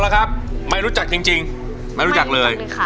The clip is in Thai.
ฟังแทนเนี่ย